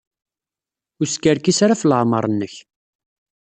Ur skerkis ara ɣef leɛmeṛ-nnek.